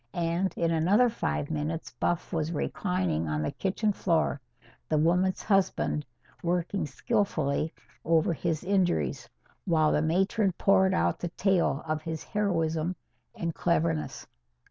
And in another five minutes Buff was reclining on the kitchen floor, the woman's husband working skilfully over his injuries, while the matron poured out the tale of his heroism and cleverness.